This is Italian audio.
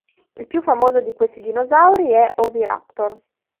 Il più famoso di questi dinosauri è "Oviraptor".